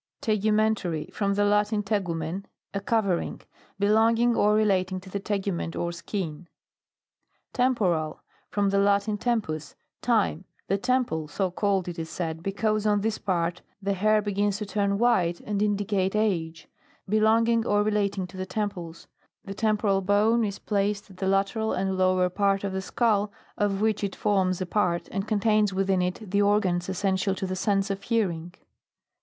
TEGUMENTARY. From the Latin, teg vmcn, a covering. Belonging or relating to the tegument or skin. TEMPORAL. From the Latin, ternpus, time, the temple, so called, it is said, because on this part, the hair be gins to turn white, and indicate age. Belonging or relating to the temples. The temporal bone is placed at the lateral and lower part of the skull of which it forms a part, and contains within it the organs essential to the sense of hearing.